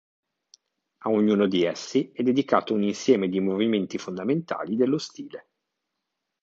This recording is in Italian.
A ognuno di essi è dedicato un insieme di movimenti fondamentali dello stile.